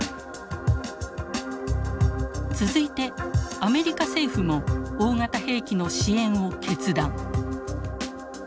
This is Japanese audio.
続いてアメリカ政府も大型兵器の支援を決断。